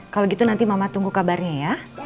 kalau gitu nanti mama tunggu kabarnya ya